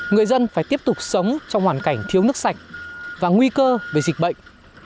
người dân phải tiếp tục sống trong hoàn cảnh thiếu nước sạch và nguy cơ về dịch bệnh